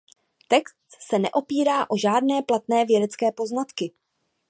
Text se neopírá o žádné platné vědecké poznatky.